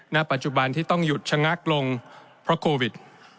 ณปัจจุบันที่ต้องหยุดชะงักลงเพราะโควิด